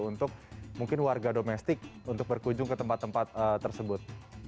untuk mungkin warga domestik untuk berkunjung ke tempat tempat tersebut